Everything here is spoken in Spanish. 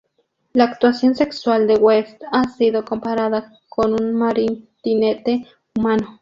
La actuación sexual de West ha sido comparada con un martinete humano.